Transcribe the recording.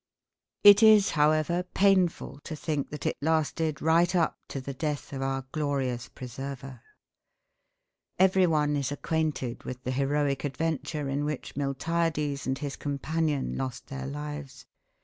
It is, however, painful to think that it lasted right up to the death of our glorious preserver. Everyone is acquainted with the heroic adventure in which Miltiades and his companion lost their lives.